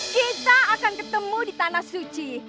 kita akan ketemu di tanah suci